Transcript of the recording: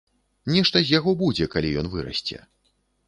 Нешта з яго будзе, калі ён вырасце.